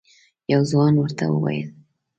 یو ځوان ورته وویل: